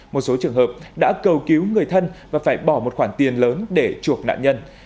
một số trường hợp đã cầu cứu người thân và phải bỏ một khoản tiền lớn để chuộc nạn nhân